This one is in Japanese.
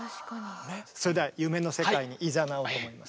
それでは夢の世界にいざなおうと思います。